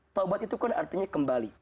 taubat itu kan artinya kembali